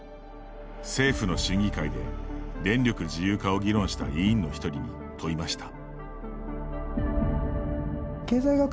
政府の審議会で電力自由化を議論した委員の一人に問いました。